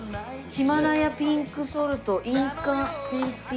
「ヒマラヤピンクソルト」「インカ天日」。